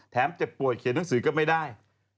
เจ็บป่วยเขียนหนังสือก็ไม่ได้